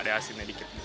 ada asinnya dikit gitu